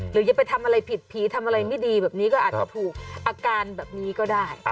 อย่าไปทำอะไรผิดผีทำอะไรไม่ดีแบบนี้ก็อาจจะถูกอาการแบบนี้ก็ได้